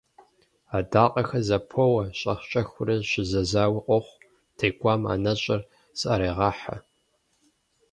Адакъэхэр зэпоуэ, щӀэх-щӀэхыурэ щызэзауи къохъу, текӀуам анэщӀэр зыӀэрегъэхьэ.